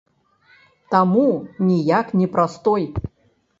Таму, ніяк не прастой.